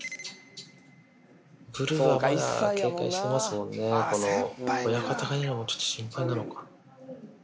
ブルーがまだ警戒してますもんね、この、親方がいないのがちょっと心配なのかな？